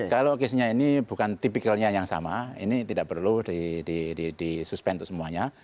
kalau case nya ini bukan tipikalnya yang sama ini tidak perlu disuspend untuk semuanya